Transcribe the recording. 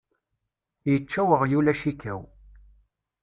Yečča weɣyul acikaw.